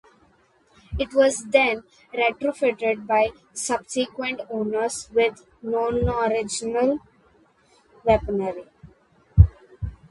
It was then retrofitted by subsequent owners with nonoriginal weaponry.